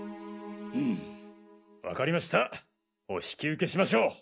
うんわかりましたお引き受けしましょう。